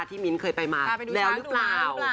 มิ้นเคยไปมาแล้วหรือเปล่า